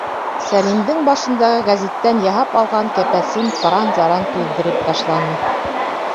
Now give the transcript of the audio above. Сәлимдең башындағы гәзиттән яһап алған кәпәсен пыран-заран туҙҙырып ташланы.